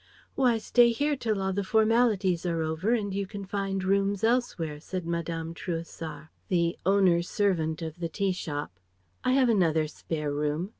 "Why, stay here till all the formalities are over and you can find rooms elsewhere," said Mme. Trouessart, the owner servant of the tea shop. "I have another spare room.